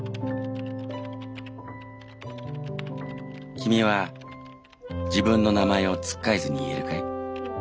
「君は自分の名前をつっかえずに言えるかい？